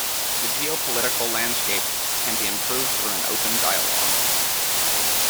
The geopolitical landscape can be improved through an open dialogue.